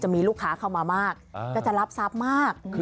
มีลูกค้าเข้ามามากก็จะรับทรัพย์มาก